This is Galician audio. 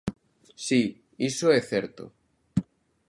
Si, iso é certo.